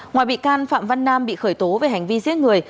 ngoài bị can phạm văn nam bị khởi tố về hành vi giết người